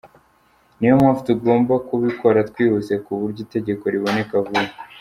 Niyo mpamvu tugomba kubikora twihuse ku buryo itegeko riboneka vuba.